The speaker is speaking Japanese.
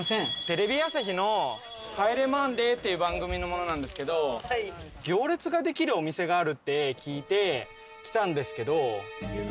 テレビ朝日の『帰れマンデー』っていう番組の者なんですけど行列ができるお店があるって聞いて来たんですけど。